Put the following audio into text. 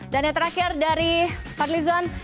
dan yang terakhir dari pak rizwan